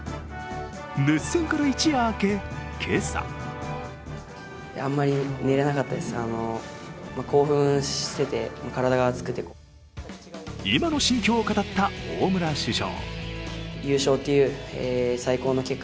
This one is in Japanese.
熱戦から一夜明け、今朝今の心境を語った大村主将。